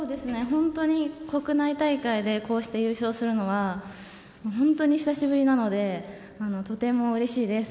本当に国内大会でこうして優勝するのは本当に久しぶりなのでとてもうれしいです。